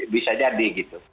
bisa jadi gitu